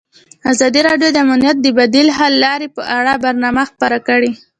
ازادي راډیو د امنیت لپاره د بدیل حل لارې په اړه برنامه خپاره کړې.